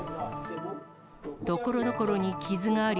ところどころに傷があり、